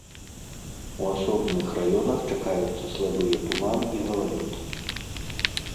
У асобных раёнах чакаюцца слабыя туман і галалёд.